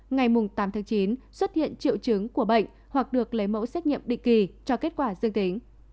ngày tám tháng chín xuất hiện triệu chứng của bệnh hoặc được lấy mẫu xét nghiệm định kỳ cho kết quả dương tính